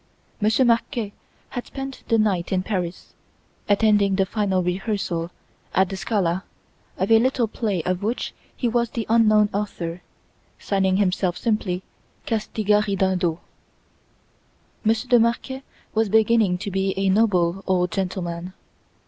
Monsieur Marquet had spent the night in Paris, attending the final rehearsal, at the Scala, of a little play of which he was the unknown author, signing himself simply "Castigat Ridendo." Monsieur de Marquet was beginning to be a "noble old gentleman."